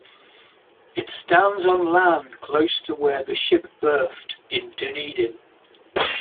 It stands on land close to where the ship berthed in Dunedin.